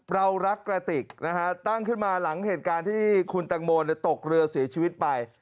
เรารักกระติกนะฮะตั้งขึ้นมาหลังเหตุการณ์ที่คุณตังโมตกเรือเสียชีวิตไป